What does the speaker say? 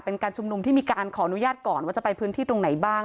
เป็นการชุมนุมที่มีการขออนุญาตก่อนว่าจะไปพื้นที่ตรงไหนบ้าง